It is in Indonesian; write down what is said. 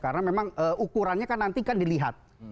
karena memang ukurannya kan nanti kan dilihat